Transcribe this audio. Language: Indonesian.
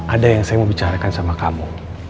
ada yang saya mau bicarakan sama kamu